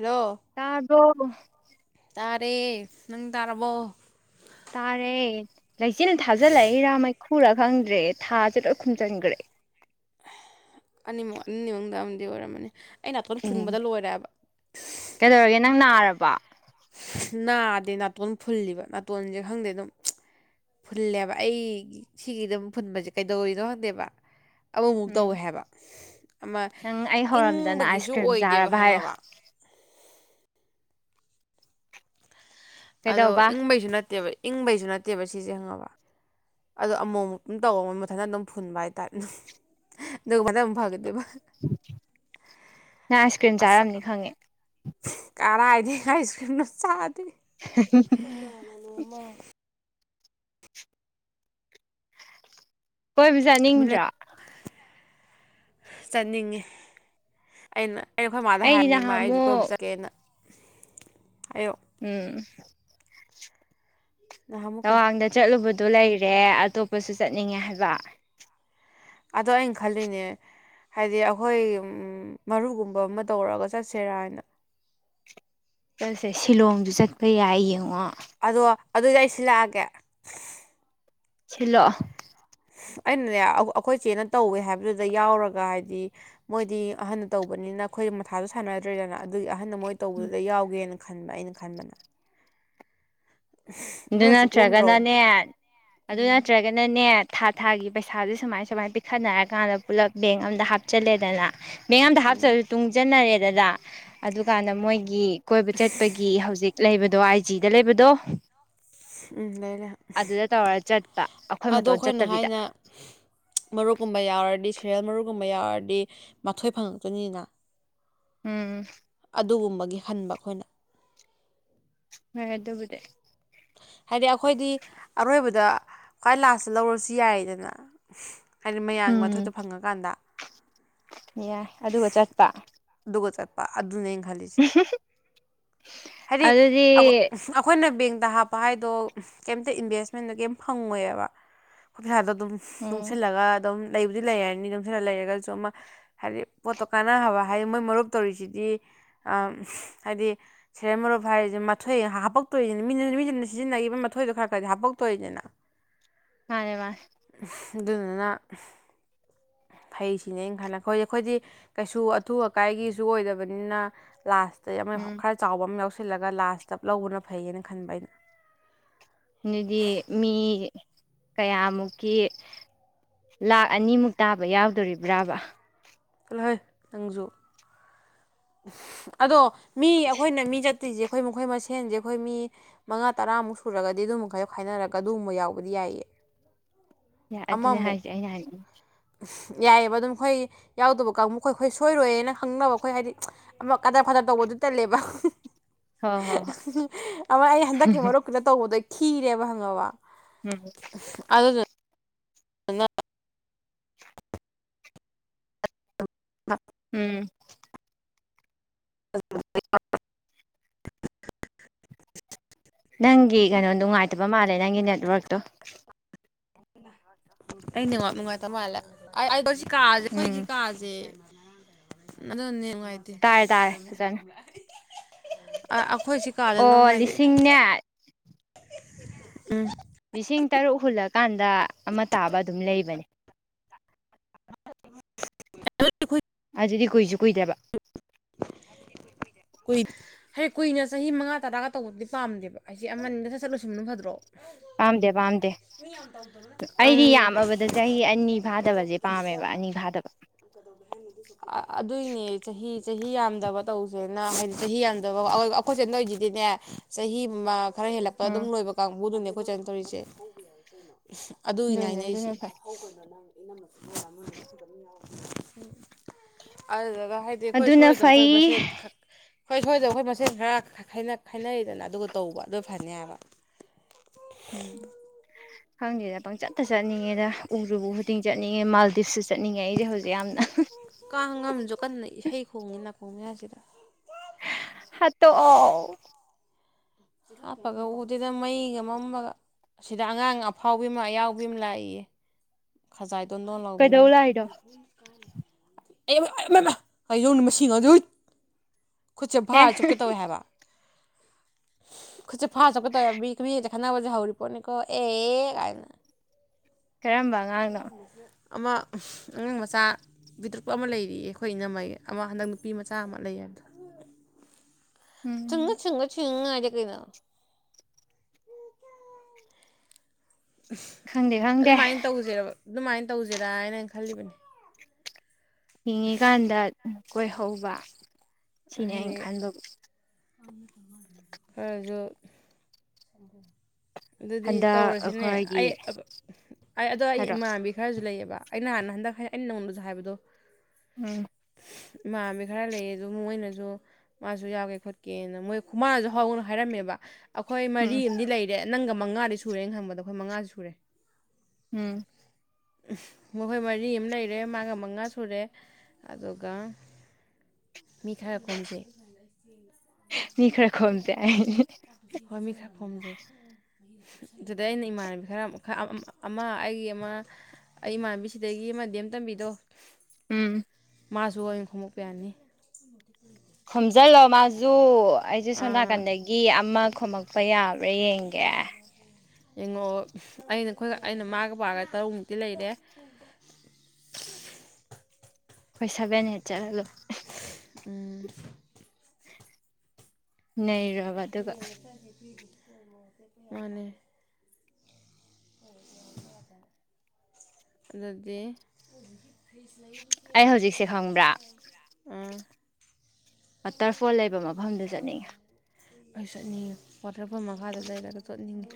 hello ꯇꯥꯔꯕꯣ ꯔꯦ ꯅꯪ ꯇꯥꯔꯕꯣ ꯇꯥꯔꯦ ꯂꯩꯆꯤꯟ ꯊꯥꯖꯤꯜꯂꯛ ꯏꯔꯥ ꯃꯩꯈꯨꯔꯥ ꯈꯪꯗ꯭ꯔꯦ ꯊꯥꯖꯦ ꯂꯣꯏ ꯈꯨꯝꯖꯟꯈ꯭ꯔꯦ ꯑꯅꯤꯃꯛ ꯑꯅꯤ ꯃꯅꯨꯡꯗ ꯑꯃꯗꯤ ꯑꯣꯏꯔꯝꯃꯅꯤ ꯑꯩ ꯅꯥꯇꯣꯟ ꯎꯝ ꯐꯨꯟꯕꯗ ꯂꯣꯏꯔꯦꯕ ꯀꯩꯗꯧꯔꯒꯦ ꯅꯪ ꯅꯥꯔꯕꯣ ꯅꯥꯗꯦ ꯅꯥꯇꯣꯟ ꯐꯨꯜꯂꯤꯕ ꯅꯥꯇꯣꯟꯖꯦ ꯈꯪꯗꯦ ꯑꯗꯨꯝ ꯐꯨꯜꯂꯦꯕ ꯑꯩꯒꯤ ꯁꯤꯒꯤꯗꯝ ꯐꯨꯟꯕꯁꯖꯦ ꯀꯩꯗꯧꯋꯤꯅꯣ ꯈꯪꯗꯦꯕ ꯑꯃꯃꯨꯛ ꯎꯝ ꯇꯧꯋꯦ ꯍꯥꯏꯕ ꯑꯃ ꯅꯪ ꯑꯩ ꯍꯧꯔꯝꯗꯅ ꯑꯥꯏꯁ ꯏꯪꯕꯒꯤꯁꯨ ꯀ꯭ꯔꯤꯝ ꯑꯣꯏꯗꯦꯕ ꯆꯥꯔꯕ ꯍꯥꯏꯌꯣ ꯈꯪꯉꯕ ꯑꯗꯣ ꯀꯩꯗꯧꯕ ꯏꯪꯕꯩꯁꯨ ꯅꯠꯇꯦꯕ ꯏꯪꯕꯩꯁꯨ ꯅꯠꯇꯦꯕ ꯁꯤꯁꯦ ꯈꯪꯉꯕ ꯑꯗꯣ ꯑꯃꯨꯛ ꯑꯃꯨꯛ ꯗꯨꯝ ꯇꯧꯕ ꯃꯊꯟꯇ ꯑꯗꯨꯝ ꯐꯨꯟꯕ ꯍꯥꯏꯇꯥꯥꯏꯔꯦ ꯑꯗꯨꯝ [unintelligible] ꯐꯥꯒꯤꯗꯣꯢꯕ ꯅꯪ ꯑꯥꯏꯁ ꯀ꯭ꯔꯤꯝ ꯆꯥꯔꯝꯅꯤ ꯈꯪꯉꯦ ꯀꯔꯥꯢ ꯑꯥꯏꯁꯀ꯭ꯔꯤꯝ ꯅꯣ ꯆꯥ [unintelligible] ꯀꯣꯏꯕ ꯆꯥꯠꯅꯤꯡꯗ꯭ꯔꯣ ꯆꯠꯅꯤꯡꯉꯤ ꯑꯩꯅ ꯑꯩꯅ ꯑꯩꯈꯣꯏ ꯃꯥꯗ ꯑꯩꯗꯤ ꯍꯥꯏꯕꯅꯤ ꯃꯥ ꯑꯩꯁꯨ ꯀꯣꯏꯕ ꯅꯍꯥꯟꯃꯨꯛ ꯆꯠꯀꯦꯅ ꯍꯥꯏ ꯎꯝ ꯅꯍꯥꯟꯃꯨꯛ ꯀꯩ ꯇꯋꯥꯡꯗ ꯆꯠꯂꯨꯕꯗꯣ ꯂꯩꯔꯦ ꯑꯇꯣꯞꯄꯁꯨ ꯆꯠꯅꯤꯡꯉꯦ ꯍꯥꯏꯕ ꯑꯗꯣ ꯑꯩ ꯈꯜꯂꯤꯅꯦ ꯍꯥꯏꯗꯤ ꯑꯩꯈꯣꯏ ꯃꯔꯨꯞ ꯒꯨꯝꯕ ꯑꯃ ꯇꯧꯔꯒ ꯆꯠꯁꯦꯔꯥ ꯍꯥꯏꯅ ꯁꯠꯁꯦ ꯁꯤꯂꯣꯡꯖꯨ ꯆꯠꯄ ꯌꯥꯏ ꯌꯦꯡꯉꯣ ꯑꯗꯣ ꯑꯗꯨꯗꯤ ꯑꯩ ꯁꯤꯜꯂꯛꯑꯒꯦ ꯁꯤꯜꯂꯛꯑꯣ ꯑꯩꯅꯅꯦ ꯑꯩꯈꯣꯏ ꯆꯦꯅ ꯇꯧꯋꯦ ꯍꯥꯏꯕꯗꯨꯗ ꯌꯥꯎꯔꯒ ꯍꯥꯏꯗꯤ ꯃꯣꯏꯗꯤ ꯑꯍꯟꯅ ꯇꯧꯕꯅꯤꯅ ꯅ ꯑꯩꯈꯣꯏ ꯃꯊꯥꯗꯣ ꯁꯥꯟꯅꯗ꯭ꯔꯦꯗꯅ ꯑꯗꯨꯒꯤ ꯑꯍꯟꯅ ꯃꯣꯏ ꯇꯧꯕꯗꯨꯗ ꯌꯥꯎꯒꯦꯅ ꯈꯟꯕ ꯑꯩꯅ ꯈꯟꯕꯅ ꯑꯗꯨ ꯑꯗꯨꯅꯁꯨ ꯀꯣꯝꯗ꯭ꯔꯣ ꯅꯠꯇ꯭ꯔꯒꯅꯅꯦ ꯑꯗꯨ ꯎꯝ ꯅꯠꯇ꯭ꯔꯒꯅꯅꯦ ꯊꯥ ꯊꯥꯒꯤ ꯄꯩꯁꯥꯁꯦ ꯁꯨꯃꯥꯏ ꯁꯨꯃꯥꯏ ꯄꯤꯛꯈꯠꯅꯔꯀꯥꯟꯗ ꯄꯨꯜꯂꯞ ꯕꯦꯡ ꯑꯝꯗ ꯍꯥꯞꯆꯤꯜꯂꯦꯗꯅ ꯕꯦꯡ ꯑꯝꯗ ꯎꯝ ꯍꯥꯞꯇ꯭ꯔꯁꯨ ꯇꯨꯡꯖꯟꯅꯔꯦꯗꯅ ꯑꯗꯨꯀꯥꯟꯗ ꯃꯣꯏꯒꯤ ꯀꯣꯏꯕ ꯆꯠꯄꯒꯤ ꯍꯧꯖꯤꯛ ꯂꯩꯕꯗꯣ ꯑꯥꯏ ꯖꯤꯗ ꯂꯩꯕꯗꯣ ꯎꯝ ꯂꯩꯂꯩ ꯑꯗꯨꯗ ꯇꯧꯔ ꯆꯠꯄ ꯑꯩꯈꯣꯏ ꯑꯗꯣ ꯃꯇꯣꯟ ꯑꯩꯈꯣꯏꯅ ꯆꯠꯇꯕꯤꯗ ꯍꯥꯏꯅ ꯃꯔꯨꯞꯀꯨꯝꯕ ꯌꯥꯎꯔꯗꯤ ꯁꯦꯔꯦꯜ ꯃꯔꯨꯞꯒꯨꯝꯕ ꯌꯥꯎꯔꯗꯤ ꯃꯥꯊꯣꯏ ꯐꯪꯉꯛꯇꯣꯏꯅꯤꯅ ꯎꯝ ꯑꯗꯨꯒꯨꯝꯕꯒꯤ ꯍꯟꯕ ꯑꯩꯈꯣꯏꯅ ꯍꯣꯢ ꯑꯗꯨꯕꯨꯗꯤ ꯍꯥꯏꯗꯤ ꯑꯈꯣꯏꯗꯤ ꯑꯔꯣꯏꯕꯗ ꯈ꯭ꯋꯥꯏ ꯂꯥꯁꯇ ꯂꯧꯔꯁꯨ ꯌꯥꯏꯗꯅ ꯍꯥꯏꯗꯤ ꯃꯌꯥꯝꯒꯤ ꯎꯝ ꯃꯊꯣꯢꯇꯣ ꯐꯪꯉꯀꯥꯟꯗ ꯌꯥꯏ ꯑꯗꯨꯒ ꯆꯠꯄ ꯑꯗꯨꯒ ꯆꯠꯄ ꯑꯗꯨꯅꯦ ꯑꯩꯅ ꯈꯜꯂꯤꯖꯦ ꯍꯥꯏꯗꯤ ꯑꯗꯨꯗꯤ ꯑꯈꯣ ꯑꯈꯣꯏꯅ ꯕꯦꯡ ꯇ ꯍꯥꯞꯄ ꯍꯥꯏꯗꯣ ꯀꯩꯝꯇ ꯏꯟꯚꯦꯁꯃꯦꯟꯗ ꯀꯦꯝ ꯐꯪꯉꯣꯏꯕ ꯑꯈꯣꯢ ꯄꯩꯁꯥ ꯗꯨꯝ ꯎꯝ ꯇꯨꯡꯁꯤꯜꯂꯒ ꯑꯗꯨꯝ ꯂꯩꯕꯨꯗꯤ ꯂꯩꯔꯅꯤ ꯇꯨꯡꯁꯤꯜꯂ ꯂꯩꯔꯒꯁꯨ ꯑꯃ ꯍꯥꯏꯕꯗꯤ ꯄꯣꯠꯇꯣ ꯀꯥꯟꯅꯕ ꯍꯥꯏꯗꯤ ꯃꯣꯏ ꯃꯔꯨꯞ ꯇꯧꯔꯤꯁꯤꯗꯤ ꯑ ꯍꯥꯏꯗꯤ ꯁꯦꯔꯦꯟ ꯃꯔꯨꯞ ꯍꯥꯏꯔꯤꯖꯦ ꯃꯊꯣꯏ ꯍꯥꯄꯛꯇꯣꯏꯅꯤ ꯃꯤꯅ ꯃꯤꯗꯨꯅ ꯁꯤꯖꯤꯟꯅꯒꯤꯕ ꯃꯊꯣꯏꯗꯣ ꯈꯔ ꯈꯔꯗꯤ ꯍꯥꯄꯛꯇꯣꯏꯅꯤꯗꯅ ꯃꯥꯟꯅꯦ ꯃꯥꯟꯅꯦ ꯑꯗꯨꯗꯨꯅꯥ ꯐꯩ ꯁꯤꯅꯦ ꯑꯩ ꯈꯜꯂ ꯈꯣꯏ ꯈꯣꯏꯗꯤ ꯀꯩꯁꯨ ꯑꯊꯨ ꯑꯀꯥꯏꯒꯤꯖꯨ ꯑꯣꯏꯗꯕꯅꯤꯅ ꯂꯥꯁ ꯇ ꯑꯃ ꯎꯝ ꯈꯔ ꯆꯥꯎꯕ ꯑꯝ ꯌꯥꯎꯁꯤꯜꯂꯒ ꯂꯥꯁꯇ ꯂꯧꯕꯅ ꯐꯩꯌꯦꯅ ꯈꯟꯕ ꯑꯩꯅ ꯗꯨꯗꯤ ꯃꯤ ꯀꯌꯥꯃꯨꯛꯀꯤ ꯂꯥꯛ ꯑꯅꯤꯃꯨꯛ ꯇꯥꯕ ꯌꯥꯎꯗꯣꯔꯤꯕ꯭ꯔꯥꯕ ꯆꯠꯂꯣꯍꯩ ꯅꯪꯖꯨ ꯑꯗꯣ ꯃꯤ ꯑꯈꯣꯏꯅ ꯃꯤ ꯆꯠ ꯇꯣꯢꯖꯦ ꯑꯈꯣꯏ ꯃꯈꯣꯏ ꯃꯁꯦꯟꯖꯦ ꯑꯈꯣꯏ ꯃꯤ ꯃꯉꯥ ꯇꯔꯥꯃꯨꯛ ꯁꯨꯔꯒꯗꯤ ꯑꯗꯨꯝ ꯃꯈꯥꯏꯗꯣ ꯈꯥꯏꯅꯔꯒ ꯑꯗꯨꯒꯨꯝꯕ ꯌꯥꯎꯕꯗꯤ ꯌꯥꯏꯌꯦ [inaudible] ꯌꯥꯏ ꯑꯗꯨꯅꯦ ꯍꯥꯏꯖꯦ ꯑꯩꯅ ꯍꯥꯏꯅꯤꯡ ꯌꯥꯏꯑꯦꯕ ꯑꯗꯨꯝ ꯈꯣꯏꯒꯤ ꯌꯥꯎꯗꯕ ꯀꯥꯡꯕꯨꯈꯣꯏ ꯈꯣꯏ ꯁꯣꯏꯔꯣꯏꯌꯦꯅ ꯈꯪꯅꯕ ꯑꯈꯣꯏ ꯍꯥꯏꯗꯤ ꯑꯃ ꯀꯥꯗꯔ ꯐꯥꯗꯔ ꯇꯧꯕꯗꯨ ꯇꯜꯂꯦꯕꯥ ꯍꯣꯏ ꯍꯣꯏ ꯍꯣꯏ ꯑꯃ ꯑꯩ ꯍꯟꯗꯛꯀꯤ ꯃꯔꯨꯞꯀꯤꯗ ꯇꯧꯕꯗꯣ ꯑꯩ ꯈꯤꯔꯦꯕ ꯈꯪꯉꯕ ꯎꯝ ꯑꯗꯨꯗꯨ [unintelligible] ꯎꯝ [unintelligible] ꯅꯪꯒꯤ ꯀꯩꯅꯣ ꯅꯨꯡꯉꯥꯏꯇꯕ ꯃꯥꯜꯂꯦ ꯅꯪꯒꯤ ꯅꯦꯠꯋꯔꯛꯇꯣ ꯑꯩ ꯅꯦꯠꯋꯥꯛ ꯅꯨꯡꯉꯥꯏꯇ ꯃꯥꯜꯂꯦ ꯑꯩ ꯑꯩꯗꯣ ꯁꯤ ꯀꯥꯖꯦ ꯑꯈꯣꯏꯒꯤ ꯎꯝ ꯀꯥꯖꯦ ꯑꯗꯨ ꯅꯦꯠ ꯅꯨꯡꯉꯥꯏꯇꯦ ꯇꯥꯔꯦ ꯇꯥꯔꯦ ꯐꯖꯅ ꯑꯈꯣꯏ ꯁꯤ ꯀꯥꯖꯦ ꯗꯨꯝ ꯑꯣ ꯍꯥꯏꯗꯤ ꯂꯤꯁꯤꯡꯅꯦ ꯎꯝ ꯂꯤꯁꯤꯡ ꯇꯔꯨꯛ ꯍꯨꯜꯂꯀꯥꯟꯗ ꯑꯃ ꯇꯥꯕ ꯑꯗꯨꯝ ꯂꯩꯕꯅꯦ ꯑꯗꯨꯗꯤ ꯈꯣꯏ ꯑꯗꯨꯗꯤ ꯀꯨꯏꯖꯨ ꯀꯨꯏꯗꯕ ꯀꯨꯏ ꯍꯦ ꯀꯨꯏꯅ ꯆꯍꯤ ꯃꯉꯥ ꯇꯔꯥꯒ ꯇꯧꯕꯗꯤ ꯄꯥꯝꯗꯦꯕ ꯑꯁꯤ ꯑꯃꯅꯤꯗ ꯁꯠ ꯁꯠ ꯂꯣꯏꯁꯟꯕꯅ ꯐꯗ꯭ꯔꯣ ꯄꯥꯝꯗꯦ ꯄꯥꯝꯗꯦ ꯑꯩꯗꯤ ꯎꯝ ꯌꯥꯝꯃꯕꯗ ꯆꯍꯤ ꯑꯅꯤ ꯐꯥꯗꯕꯖꯦ ꯄꯥꯝꯃꯦꯕ ꯑꯅꯤ ꯐꯥꯗꯕ ꯑꯗꯨꯏꯅꯦ ꯆꯍꯤ ꯆꯍꯤ ꯌꯥꯝꯗꯕ ꯇꯧꯗꯦꯅ ꯍꯥꯏꯗꯤ ꯆꯍꯤ ꯌꯥꯝꯗꯕ ꯑꯈꯣꯏ ꯆꯦꯅ ꯇꯧꯏꯖꯤꯗꯤꯅꯦ ꯆꯍꯤ ꯃ ꯈꯔ ꯍꯦꯜꯂꯛꯄꯗ ꯑꯗꯨꯝ ꯎꯝ ꯂꯣꯏꯕ ꯀꯥꯡꯕꯨꯗꯨꯅꯦ ꯑꯈꯣꯏ ꯆꯦꯅ ꯇꯧꯔꯤꯖꯦ ꯑꯗꯨꯒꯤꯅꯦ ꯑꯗꯨꯅꯦ ꯑꯗꯨꯅ ꯍꯥꯏꯅꯩꯖꯦ ꯐꯩ [inaudible] ꯑꯗꯨꯗꯨꯒ ꯍꯥꯏꯗꯤ ꯈꯣꯏ ꯑꯗꯨꯅ ꯁꯣꯏꯔꯣꯏꯗꯕ ꯑꯈꯣꯏ ꯐꯩ ꯃꯁꯦꯟ ꯁꯨꯡꯁꯣꯏ ꯁꯣꯏꯗꯕ ꯑꯈꯣꯏ ꯃꯁꯦꯟ ꯈꯔ ꯈꯥꯏꯅ ꯈꯥꯏꯅꯔꯦꯗꯅ ꯑꯗꯨꯒ ꯇꯧꯕ ꯑꯗꯨ ꯐꯅꯦ ꯍꯥꯏꯕ ꯎꯝ ꯈꯪꯗꯦꯗ ꯄꯪꯆꯠꯇ ꯆꯠꯅꯤꯡꯉꯦꯗ ꯎꯔꯨꯕ ꯈꯨꯗꯤꯡ ꯆꯠꯅꯤꯡꯉꯦ ꯃꯥꯜꯗꯤꯞꯁꯨ ꯆꯠꯅꯤꯡꯉꯦ ꯑꯩꯁꯦ ꯍꯧꯖꯤꯛ ꯌꯥꯝꯅ ꯀꯥꯡ ꯑꯝꯖꯨ ꯀꯟꯅ ꯏꯁꯩ ꯈꯣꯡꯉꯤ ꯅꯀꯣꯡ ꯃꯌꯥꯖꯤꯗ ꯍꯥꯠꯇꯣꯛꯑꯣ ꯍꯥꯞꯄꯒ ꯎꯗꯦꯗ ꯃꯩꯒ ꯃꯝꯕꯒ ꯁꯤꯗꯥ ꯑꯉꯥꯡ ꯑꯐꯥꯎꯕꯤ ꯑꯃ ꯑꯌꯥꯎꯕꯤ ꯑꯃ ꯂꯥꯛꯏꯌꯦ ꯈꯖꯥꯏꯗꯣ ꯗꯣꯟ ꯗꯣꯟ ꯀꯩꯗꯧ ꯂꯥꯎꯕꯤꯃ ꯂꯥꯛꯏꯅꯣ ꯑꯌꯣ ꯃꯥ ꯑꯌꯣ ꯃꯃꯥ ꯇꯩꯖꯧꯅꯦ ꯃꯁꯤ ꯉꯥꯡꯖꯦ ꯎꯏꯠ ꯈꯨꯠꯆꯦ ꯑꯦ ꯐꯥꯔ ꯆꯨꯞꯀꯦ ꯇꯧꯋꯦ ꯍꯥꯏꯕ [inaudible] ꯈꯨꯠꯆꯦ ꯐꯥꯔ ꯆꯞꯀꯦ ꯇꯧꯌꯦ ꯍꯥꯏꯕ ꯃꯤ ꯃꯤꯒꯗꯦ ꯈꯠꯅꯕꯒꯖꯦ ꯍꯧꯔꯤꯄꯣꯠꯅꯤꯀꯣ ꯑꯦ ꯀꯥꯏꯅ ꯀꯔꯝꯕ ꯑꯉꯥꯡꯅꯣ ꯑꯃ ꯑꯉꯥꯡ ꯃꯆꯥ ꯄꯤꯗ꯭ꯔꯛꯄ ꯑꯃ ꯂꯩꯔꯤꯌꯦ ꯑꯈꯣꯏ ꯏꯅꯝꯃꯩ ꯑꯃ ꯍꯟꯗꯛ ꯅꯨꯄꯤ ꯃꯆꯥ ꯑꯃ ꯂꯩꯌꯦ ꯍꯥꯏꯕꯗꯣ [inaudible] ꯎꯝ ꯆꯪꯉꯆꯪꯉꯆꯪꯉ ꯍꯥꯏꯗꯤ ꯀꯩꯅꯣ ꯈꯪꯗꯦ ꯈꯪꯗꯦ ꯑꯗꯨꯃꯥꯏꯅ ꯇꯧꯁꯦꯔꯕ ꯑꯗꯨꯃꯥꯏꯅ ꯇꯧꯁꯦꯔ ꯍꯥꯏꯅ ꯈꯜꯂꯤꯕꯅꯤ ꯍꯤꯡꯉꯤꯀꯥꯟꯗ ꯀꯣꯏꯍꯧꯕ ꯁꯤꯅꯦ ꯍꯥꯏꯗꯤ ꯑꯩꯅ ꯈꯟꯕꯕꯨ ꯈꯔꯁꯨ ꯑꯗꯨꯗꯤ ꯍꯟꯗꯛ ꯇꯧꯔꯁꯤꯅꯦ ꯑꯩꯈꯣꯏꯒꯤ ꯑꯩ ꯑꯗꯣ ꯑꯩ ꯍꯥꯏꯔꯣ ꯏꯃꯥꯟꯕꯤ ꯈꯔꯁꯨ ꯂꯩꯑꯦꯕ ꯑꯩꯅ ꯅꯍꯥꯟꯅ ꯍꯟꯗꯛ ꯑꯩꯅ ꯅꯧꯅꯁꯨ ꯍꯥꯏꯕꯗꯣ ꯎꯝ ꯏꯃꯥꯕꯅꯕꯤ ꯈꯔ ꯂꯩꯌꯦ ꯑꯗꯨ ꯃꯣꯏꯅꯁꯨ ꯃꯥꯁꯨ ꯌꯥꯎꯒꯦ ꯈꯣꯠ ꯀꯦꯅ ꯃꯣꯏ ꯈꯨꯃꯥꯁꯨ ꯍꯧꯅ ꯍꯥꯏꯔꯝꯃꯦꯕ ꯑꯩꯈꯣꯏ ꯃꯔꯤ ꯎꯝ ꯑꯃꯗꯤ ꯂꯩꯔꯦ ꯅꯪꯒ ꯃꯉꯥꯗꯤ ꯁꯨꯔꯦꯅ ꯈꯪꯕꯗ ꯑꯈꯣꯏ ꯃꯉꯥꯁꯨ ꯁꯨꯔꯦ ꯎꯝ ꯃꯈꯣꯏ ꯃꯔꯤ ꯑꯃ ꯂꯩꯔꯦ ꯃꯥꯒ ꯃꯉꯥ ꯁꯨꯔꯦ ꯑꯗꯨꯒ ꯃꯤ ꯈꯔ ꯈꯣꯝꯁꯦ ꯃꯤ ꯈꯔ ꯈꯣꯝꯁꯦ ꯍꯣꯏ ꯃꯤ ꯈꯥꯔ ꯈꯣꯝꯖꯦ ꯗꯨꯗ ꯑꯩꯅ ꯏꯃꯥꯟꯅꯕꯤ ꯈꯔ ꯑꯃ ꯑꯩꯒꯤ ꯑꯃ ꯑꯩ ꯏꯃꯥꯟꯕꯤ ꯁꯤꯗꯒꯤ ꯑꯃ ꯗꯦꯝ ꯇꯝꯕꯤꯗꯣ ꯎꯝ ꯃꯥꯁꯨ ꯑꯩ ꯈꯣꯝꯃꯛꯄ ꯌꯥꯅꯤ ꯈꯣꯝꯖꯜꯂꯣ ꯃꯥꯖꯨ ꯑꯩꯖꯨ ꯁꯣꯝ ꯅꯥꯀꯟꯗꯒꯤ ꯑꯃ ꯈꯣꯝꯃꯛꯄ ꯌꯥꯕ꯭ꯔꯥ ꯌꯦꯡ ꯒꯦ ꯌꯦꯡꯉꯣ ꯑꯩꯅ ꯑꯩꯈꯣꯏꯒ ꯑꯩꯅ ꯃꯥꯒ ꯄꯥꯔꯒ ꯇꯔꯨꯛꯃꯨꯛꯇꯤ ꯂꯩꯔꯦ ꯑꯩꯈꯣꯏ ꯁꯥꯕꯅꯦꯟ ꯍꯦꯛ ꯆꯠꯂꯒ ꯎꯝ ꯅꯩꯔꯕ ꯑꯗꯨꯒ ꯃꯥꯅꯦ ꯑꯗꯨꯗꯤ ꯑꯩ ꯍꯧꯖꯤꯛꯁꯦ ꯈꯪꯕ꯭ꯔꯥ ꯑꯥ ꯋꯥꯇꯔꯐꯣꯜ ꯂꯩꯕ ꯃꯐꯝꯗ ꯆꯠꯅꯤꯡꯉꯦ ꯑꯩ ꯆꯠꯅꯤꯡꯉꯤ ꯋꯥꯇꯔ ꯐꯣꯜ ꯃꯈꯥꯗ ꯂꯩꯔꯒ ꯆꯠꯅꯤꯡꯉꯤ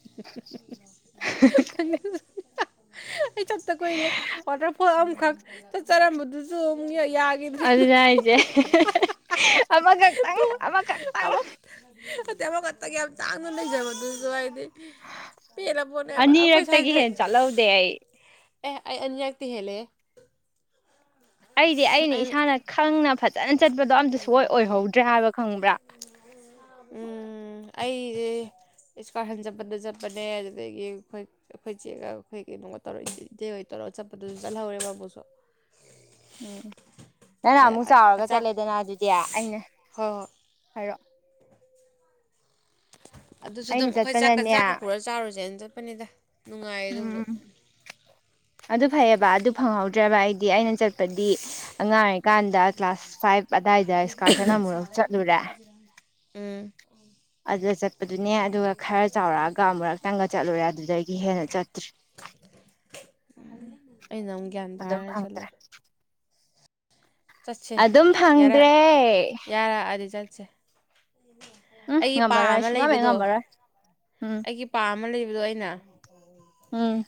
[inaudible] [unintelligible] ꯑꯩ ꯆꯠꯇ ꯀꯨꯏꯔꯦ ꯋꯥꯇꯔ ꯐꯣꯜ ꯑꯃꯈꯛ ꯆꯠꯆꯔꯝꯕꯗꯨꯁꯨ ꯑꯃꯨꯛ ꯌꯩ ꯑꯗꯨꯅꯦ ꯍꯥꯏꯖꯦ ꯑꯃꯈꯛꯇꯪ ꯑꯃꯈꯛꯇꯪ ꯇꯦ ꯑꯃꯈꯛꯇꯪ ꯌꯥꯝ ꯇꯥꯡꯅ ꯂꯩꯖꯕꯗꯨꯖꯨ ꯍꯥꯏꯗꯤ ꯄꯦꯜꯂ ꯄꯣꯠꯅꯦꯕ ꯑꯩꯈꯣꯏ ꯑꯅꯤꯔꯛꯇꯒꯤ ꯁ꯭ꯋꯥꯏꯁꯦ ꯍꯦꯟ ꯆꯠꯍꯧꯗꯦ ꯑꯩ ꯑꯦ ꯑꯩ ꯑꯅꯤꯔꯛꯇꯤ ꯍꯦꯜꯂꯦꯍꯦ ꯑꯩꯗꯤ ꯑꯩꯅ ꯏꯁꯥꯅ ꯈꯪꯅ ꯐꯖꯅ ꯆꯠꯄꯗꯣ ꯑꯝꯇ ꯁꯨꯛꯑꯣꯏ ꯑꯣꯏꯍꯧꯗ꯭ꯔꯦ ꯍꯥꯏꯕ ꯈꯪꯕ꯭ꯔꯥ ꯑꯩꯗꯤ ꯏꯁꯀꯥꯔꯁꯟ ꯆꯠꯄꯗ ꯆꯠꯄꯅꯦ ꯑꯗꯨꯗꯒꯤ ꯑꯩꯈꯣꯏ ꯑꯩꯈꯣꯏ ꯆꯦꯒ ꯑꯩꯈꯣꯏ ꯀꯩꯅꯣ ꯇꯧꯔꯒ ꯔꯣ ꯆꯞꯄꯗꯨ ꯆꯠꯍꯧꯔꯦꯕ ꯑꯃꯨꯛꯁꯨ ꯎꯝ ꯅꯪꯅ ꯑꯃꯨꯛ ꯆꯥꯎꯔꯒ ꯑꯆꯥꯛ ꯆꯠꯂꯦꯗꯅ ꯑꯗꯨꯗꯤ ꯑꯩꯅ ꯍꯣꯏ ꯍꯥꯢꯔꯣ ꯑꯗꯨꯖꯨ ꯑꯗꯨꯝ ꯑꯩꯈꯣꯏ ꯆꯥꯛꯀ ꯆꯠꯄꯅꯅꯦ ꯆꯥꯛꯀ ꯄꯨꯔ ꯆꯥꯎꯔꯨꯁꯦ ꯑꯅ ꯆꯠꯄꯅꯤꯗ ꯅꯨꯡꯉꯥꯏꯗꯧꯗ ꯎꯝ ꯑꯗꯨ ꯐꯩꯌꯦꯕ ꯑꯗꯨ ꯐꯪꯍꯧꯗ꯭ꯔꯦꯕ ꯑꯩꯗꯤ ꯑꯩꯅ ꯆꯠꯄꯗꯤ ꯑꯉꯥꯡ ꯀꯥꯟꯗ ꯀ꯭ꯂꯥꯁ ꯐꯥꯏꯚ ꯑꯗꯥꯏꯗ ꯏꯁꯀꯥꯔꯁꯟ ꯑꯃꯨꯔꯛ ꯆꯠꯂꯨꯔꯦ ꯎꯝ ꯑꯗꯨꯗ ꯆꯠꯄꯗꯨꯅꯦ ꯑꯗꯨꯒ ꯈꯔ ꯆꯥꯎꯔꯛꯑꯒ ꯑꯃꯨꯔꯛꯇꯪꯒ ꯆꯠꯂꯨꯔꯦ ꯑꯗꯨꯗꯒꯤ ꯍꯦꯟꯅ ꯆꯠꯇ꯭ꯔꯤ ꯑꯩꯅ ꯑꯃꯨꯛ ꯒ꯭ꯌꯥꯟ ꯑꯗꯨꯝ ꯇꯥꯔꯒ ꯐꯪꯗ꯭ꯔꯦ ꯆꯠꯂꯨꯔꯦ ꯆꯠꯁꯦ ꯑꯗꯨꯝ ꯌꯥꯔ ꯐꯪꯗ꯭ꯔꯦ ꯌꯥꯔꯛꯑꯗꯤ ꯆꯠꯁꯦ ꯎꯝ ꯑꯩꯒꯤ ꯄꯥ ꯉꯝꯃꯔꯣꯏ ꯑꯩ ꯑꯃ ꯁꯨꯨꯉꯝꯍꯦꯛ ꯂꯩꯕꯗꯣ ꯉꯝꯃꯔꯣꯏ ꯎꯝ ꯑꯩꯒꯤ ꯄꯥ ꯑꯃ ꯂꯩꯕꯗꯣ ꯑꯩꯅ ꯎꯝ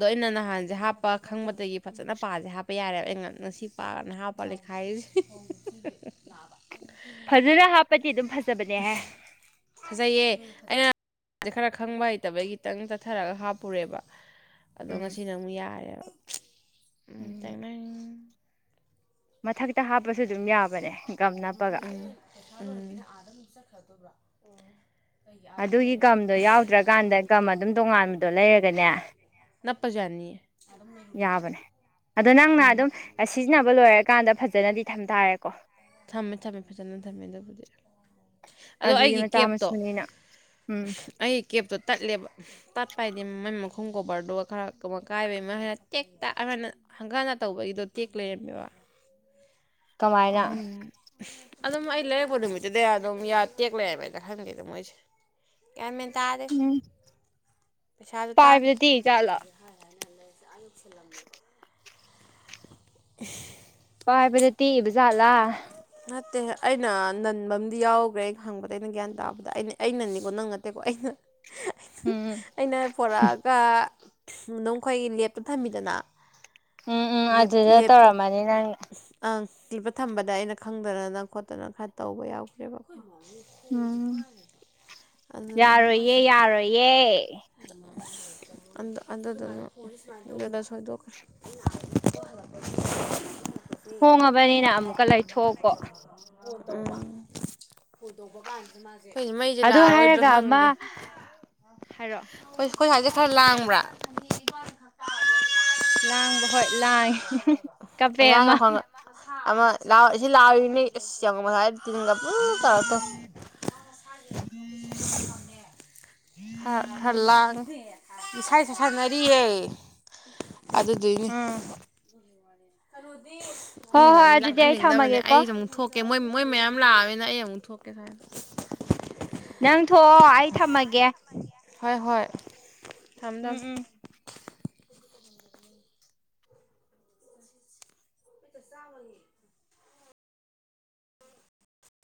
ꯑꯗꯣ ꯑꯩꯅ ꯅꯍꯥꯟꯖꯦ ꯍꯥꯞꯄ ꯈꯪꯕꯗꯒꯤ ꯐꯖꯅ ꯄꯥꯁꯦ ꯍꯥꯞꯄ ꯌꯥꯔꯦꯕ ꯑꯩ ꯉꯁꯤ ꯄꯥꯅ ꯍꯥꯞꯄ ꯂꯩꯈꯥꯏꯔꯤꯁꯦ [unintelligible] [inaudible] ꯕꯅꯦꯍꯦ ꯐꯥꯖꯩꯌꯦ ꯑꯩꯅ ꯈꯔ ꯈꯪꯕ ꯍꯩꯇꯕꯩ ꯈꯤꯇꯪ ꯆꯠꯊꯔꯒ ꯍꯥꯞꯄꯨꯔꯦꯕ ꯑꯗꯣ ꯎꯝ ꯉꯁꯤꯅ ꯑꯃꯨꯛ ꯌꯥꯏꯔꯦꯕ ꯎꯝ ꯇꯦꯡꯅꯦꯡ ꯃꯊꯛꯈꯤꯇ ꯍꯥꯞꯄꯁꯨ ꯑꯗꯨꯝ ꯌꯥꯕꯅꯦ ꯒꯝ ꯅꯞꯄꯒ ꯎꯝ ꯎꯝ ꯑꯗꯨꯒꯤ ꯒꯝꯗꯣ ꯌꯥꯎꯗ꯭ꯔꯀꯥꯟꯗ ꯒꯝ ꯑꯗꯨꯝ ꯇꯣꯉꯥꯟꯕꯗꯣ ꯂꯩꯔꯒꯅꯦ ꯅꯅꯥꯄꯖꯨ ꯌꯅꯤꯌꯦ ꯌꯥꯕꯅꯦ ꯑꯗꯣ ꯅꯪꯅ ꯑꯗꯨꯝ ꯁꯤꯖꯤꯟꯅꯕ ꯂꯣꯏꯔꯀꯥꯟꯗ ꯐꯖꯅꯗꯤ ꯊꯝ ꯇꯥꯔꯦꯀꯣ ꯊꯝꯃꯦ ꯊꯝꯃꯦ ꯐꯖꯅ ꯊꯝꯃꯦ ꯑꯗꯨꯕꯨꯗꯤ ꯑꯗꯣ ꯑꯗꯨꯗꯤ ꯑꯩꯒꯤ ꯃꯆꯥ ꯀꯦꯞꯇꯣ ꯃꯁꯨꯅꯤꯅ ꯎꯝ ꯑꯩ ꯀꯦꯞꯇꯣ ꯇꯠꯂꯦꯕ ꯇꯠꯄ ꯍꯥꯏꯗꯤ ꯃꯥꯏ ꯃꯀꯣꯛ ꯃꯈꯨꯝ ꯀꯣꯕꯔꯗꯨꯒ ꯈꯔꯒ ꯀꯥꯏꯕꯩꯃ ꯍꯥꯏꯅ ꯇꯦꯛꯇꯛꯑ ꯍꯥꯏꯅ ꯍꯪꯒꯥꯠ ꯍꯟꯗ ꯇꯧꯕꯒꯤꯗꯣ ꯇꯦꯛ ꯂꯩꯔꯝꯃꯦꯕ [inaudible] ꯀꯃꯥꯏꯅ ꯑꯗꯨꯅ ꯑꯗꯨꯝ ꯑꯩ ꯂꯩꯔꯛꯄ ꯅꯨꯃꯤꯠꯇꯨꯗ ꯑꯗꯨꯝ ꯇꯦꯛꯂꯩ ꯔꯝꯃꯦꯗ ꯈꯪꯗꯦꯗ ꯃꯣꯏꯁꯦ ꯒꯌꯥꯝꯃꯦꯟ ꯇꯗꯦ ꯎꯝ ꯄꯥꯏꯕꯗ ꯇꯦꯛꯏ ꯖꯥꯠꯂꯣ [inaudible] [inaudible] ꯄꯥꯏꯕꯗ ꯇꯦꯛ ꯏꯕ ꯖꯥꯠꯂ ꯅꯠꯇꯦ ꯑꯩꯅ ꯅꯟꯕ ꯑꯃꯗꯤ ꯌꯥꯎꯈ꯭ꯔꯦ ꯑꯩꯅ ꯈꯪꯕꯗ ꯑꯩꯅ ꯒ꯭ꯌꯥꯟ ꯇꯥꯕꯗ ꯑꯩꯅ ꯑꯩꯅꯅꯤꯀꯣ ꯅꯪ ꯅꯠꯇꯦꯀꯣ ꯑꯩꯅ ꯎꯝ ꯑꯩꯅ ꯄꯣꯔꯛꯑꯒ ꯗꯨꯝꯈꯣꯏꯒꯤ ꯂꯦꯞꯇ ꯊꯝꯃꯤꯗꯅ ꯎꯝ ꯎꯝ ꯂꯦꯞ ꯑꯗꯨꯗ ꯂꯦꯞꯇ ꯇꯧꯔꯝꯃꯅꯤ ꯅꯪ ꯑꯪ ꯊꯝꯕꯗ ꯑꯩꯅ ꯈꯪꯗꯅꯅ ꯈꯣꯠꯇꯅ ꯈꯔ ꯇꯧꯕ ꯌꯥꯎꯈ꯭ꯔꯦꯕꯀꯣ ꯎꯝ ꯑꯗꯨꯗꯨꯅ ꯌꯥꯔꯣꯏꯌꯦ ꯌꯥꯔꯣꯏꯌꯦ ꯑꯟ ꯑꯗꯨꯗꯨꯅ ꯑꯗꯨꯗ ꯁꯣꯏꯗꯣꯛ ꯈꯔꯦ ꯍꯣꯡꯉꯕꯅꯤꯅ ꯑꯃꯨꯛꯀ ꯂꯩꯊꯣꯛꯑꯣ ꯀꯣꯛ ꯎꯝ ꯑꯈꯣꯏꯁꯦ ꯃꯩꯁꯦ ꯑꯗꯨ ꯂꯥꯛꯑꯔꯣꯏꯗ꯭ꯔꯥ ꯍꯥꯏꯔꯒ ꯑꯃ ꯈꯪꯗꯦ ꯍꯥꯏꯔꯣ ꯑꯈꯣꯏ ꯁꯥꯏꯖꯦ ꯈꯔ ꯂꯥꯡꯕ꯭ꯔꯥ ꯂꯥꯡꯕ ꯍꯣꯏ ꯂꯥꯡꯉꯤ ꯀꯞꯄꯦ ꯑꯃ ꯑꯉꯥꯡꯅ ꯈꯪ ꯑꯃ ꯂꯥꯎ ꯁꯤ ꯂꯥꯎꯔꯤꯅꯤ ꯏꯁ ꯌꯥꯝ ꯃꯁꯥꯏ ꯇꯤꯟꯒ ꯄꯨ ꯇꯧꯔ ꯀꯥꯞ ꯈꯔ ꯈꯔ ꯂꯥꯡꯉꯦ ꯏꯁꯥꯏꯁꯦ ꯁꯥꯟꯅꯔꯤꯌꯦ ꯑꯗꯨꯗꯨꯏꯅꯦ ꯎꯝ ꯍꯣꯏ ꯑꯩꯅ ꯍꯣꯏ ꯂꯥꯛꯍꯟ ꯑꯗꯨꯗꯤ ꯑꯩ ꯂꯥꯡꯍꯟꯅꯤꯡꯗꯕꯅꯦ ꯊꯝꯃꯒꯦꯀꯣ ꯑꯩꯗ ꯑꯃꯨꯛ ꯊꯣꯛꯀꯦ ꯃꯣꯏ ꯃꯣꯏ ꯃꯌꯥꯝ ꯂꯥꯛꯑꯕꯅ ꯑꯩ ꯑꯃꯨꯛ ꯊꯣꯛꯀꯦ ꯑꯁꯥꯏꯗ ꯅꯪ ꯊꯣꯛꯑꯣ ꯑꯩ ꯊꯝꯃꯒꯦ ꯍꯣꯏ ꯍꯣꯏ ꯊꯝ ꯎꯝ ꯊꯝ ꯎꯝ